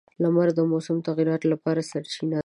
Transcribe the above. • لمر د موسم تغیراتو لپاره سرچینه ده.